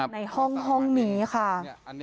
ในห้องนี้ค่ะ